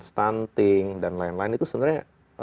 stunting dan lain lain itu sebenarnya